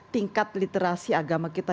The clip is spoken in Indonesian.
tingkat literasi agama kita